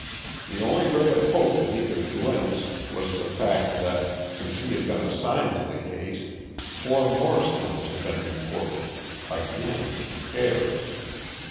The only ray of hope that he could glimpse was the fact that, since he had been assigned to the case, four more stones had been reported again in pairs.